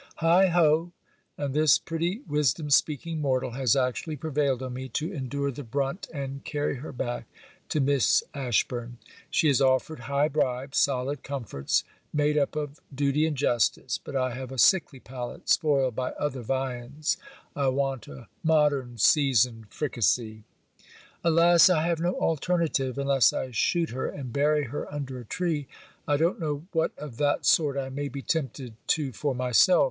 Heigh ho! and this pretty wisdom speaking mortal has actually prevailed on me to endure the brunt and carry her back to Miss Ashburn! She has offered high bribes, solid comforts, made up of duty and justice; but I have a sickly palate spoiled by other viands, I want a modern seasoned fricassee. Alas! I have no alternative unless I shoot her and bury her under a tree. I don't know what of that sort I may be tempted to for myself!